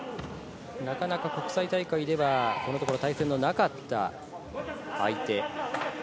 なかなか国際大会ではこのところ、対戦のなかった相手。